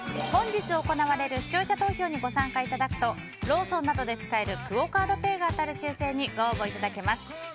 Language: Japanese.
本日行われる視聴者投票にご参加いただくとローソンなどで使えるクオ・カードペイが当たる抽選にご応募いただけます。